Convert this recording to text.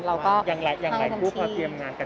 อย่างไรผู้พอเตรียมงานกัน